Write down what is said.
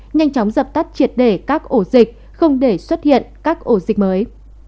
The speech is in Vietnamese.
nhanh chóng dập tắt triệt để các ổ dịch không để xuất hiện các ổ dịch mới